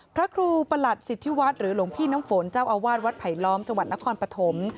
พระครูประหลัดสิทธิวัฒน์หรือหลวงพี่น้ำฝนเจ้าอาวาสวัดไผลล้อมจังหวัดนครปฐม